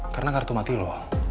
karena kartu mati lu